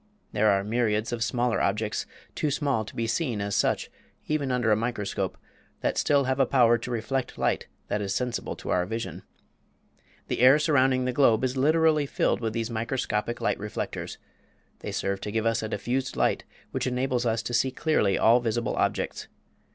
There are myriads of smaller objects, too small to be seen as such, even under a microscope, that still have a power to reflect light that is sensible to our vision. The air surrounding the globe is literally filled with these microscopic light reflectors. They serve to give us a diffused light which enables us to see clearly all visible objects.